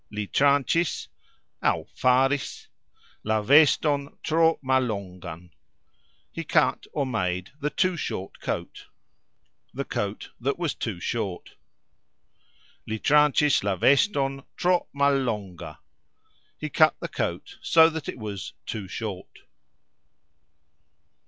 Li trancxis (aux faris) la veston tro mallongan. He cut (or made) the too short coat (the coat that was too short). Li trancxis la veston tro mallonga. He cut the coat (so that it was) too short.